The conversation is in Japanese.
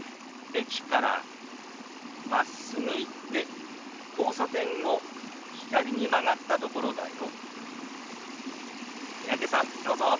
駅からまっすぐ行って交差点を左に曲がったところだよ。